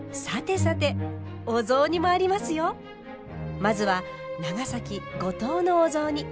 まずは長崎・五島のお雑煮。